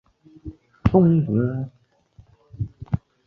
勒马德唐克。